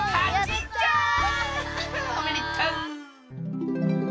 おめでとう！